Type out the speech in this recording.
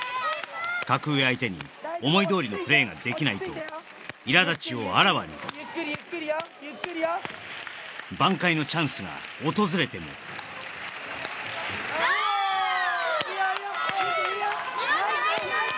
格上相手に思いどおりのプレーができないといら立ちをあらわに挽回のチャンスが訪れてもいいよいいよ